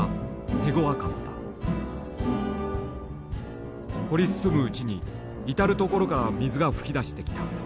掘り進むうちに至る所から水が噴き出してきた。